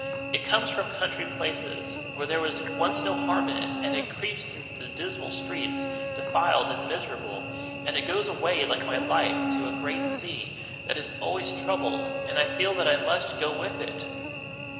It comes from country places, where there was once no harm in it and it creeps through the dismal streets, defiled and miserable and it goes away, like my life, to a great sea, that is always troubled and I feel that I must go with it!